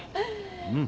うん。